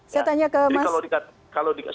saya tanya ke mas